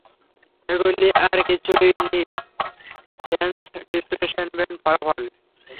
এগুলি আর কিছুই নী, সেন্স ডিপ্রাইভেশনের ফলাফল।